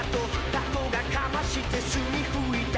「タコがかましてスミふいた」